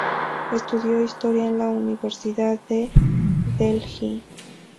Estudió historia en la universidad de Delhi.